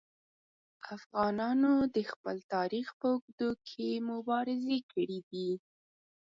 افغانانو د خپل تاریخ په اوږدو کې مبارزې کړي دي.